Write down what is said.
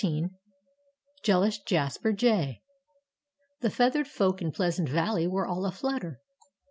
XVI JEALOUS JASPER JAY The feathered folk in Pleasant Valley were all aflutter.